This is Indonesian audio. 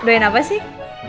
ngedoain apa sih